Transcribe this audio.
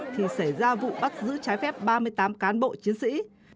thì xảy ra vụ bắt giữ trái phép ba mươi tám cán bộ chiến sĩ